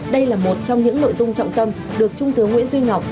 đây là một trong những nội dung trọng tâm được trung tướng nguyễn duy ngọc